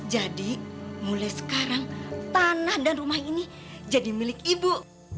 jadi mulai sekarang tanah dan rumah ini jadi milik ibu